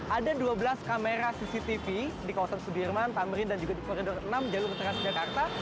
ada dua belas kamera cctv di kawasan sudirman tamrin dan juga di koridor enam jalur transjakarta